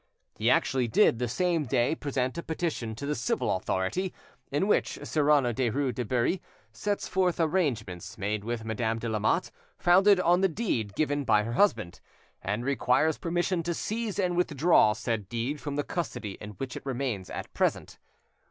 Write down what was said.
He actually did, the same day, present a petition to the civil authority, in which Cyrano Derues de Bury sets forth arrangements, made with Madame de Lamotte, founded on the deed given by her husband, and requires permission to seize and withdraw said deed from the custody in which it remains at present.